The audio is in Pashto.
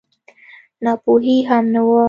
ناپوهي هم نه وه.